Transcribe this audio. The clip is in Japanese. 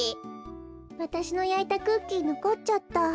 わたしのやいたクッキーのこっちゃった。